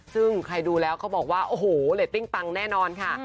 ซึ่งใครดูแล้วเขาบอกว่าโอ้โหเรตติ้งปังแน่นอนค่ะ